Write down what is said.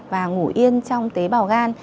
và ngủ yên trong tế bào gan